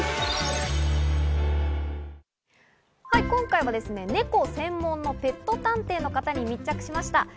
今回はネコ専門のペット探偵の方に密着しました。